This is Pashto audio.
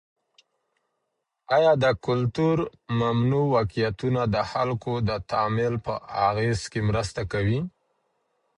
آیا د کلتور متنوع واقعيتونه د خلګو د تعامل په اغیز کي مرسته کوي؟